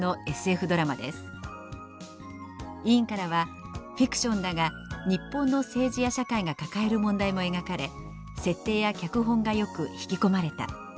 委員からは「フィクションだが日本の政治や社会が抱える問題も描かれ設定や脚本がよく引き込まれた」。